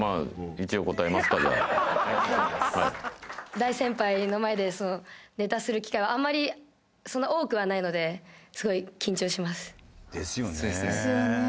大先輩の前でネタする機会はあんまりそんな多くはないのですごい緊張します。ですよねえ。